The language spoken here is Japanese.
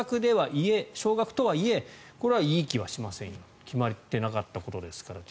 少額とはいえこれはいい気はしませんよ決まっていなかったことですからと。